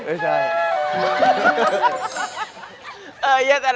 ไม่ใช่